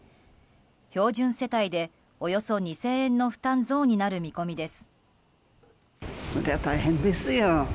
標準世帯で、およそ２０００円の負担増になる見込みです。